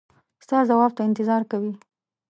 ستا ځواب ته انتظار کوي.